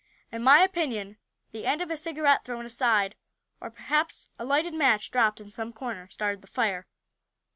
"In my opinion the end of a cigarette thrown aside, or perhaps a lighted match dropped in some corner, started this fire.